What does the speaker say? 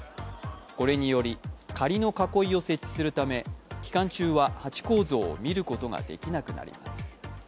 これにより仮の囲いを設置するため期間中はハチ公像を見ることができなくなります。